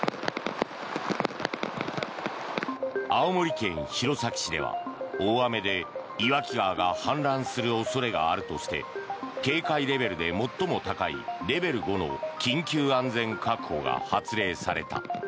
青森県弘前市では大雨で岩木川が氾濫する恐れがあるとして警戒レベルで最も高いレベル５の緊急安全確保が発令された。